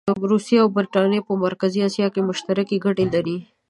روسیه او برټانیه په مرکزي اسیا کې مشترکې ګټې لري.